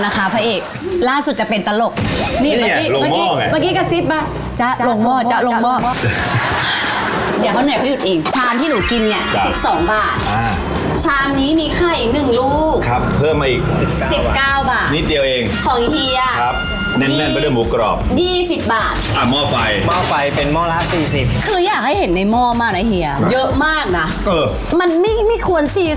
ครับเพิ่มมาอีกสิล้างก้าวบาทสิบเก้าบาท